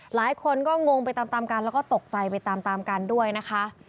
หลายคนก็งงไปตามตามกันแล้วก็ตกใจไปตามตามกันด้วยนะคะ